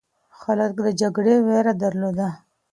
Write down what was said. خلک د جګړې ویره درلوده.